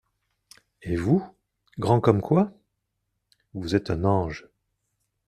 Et vous ? grand comme quoi ?… vous êtes un ange.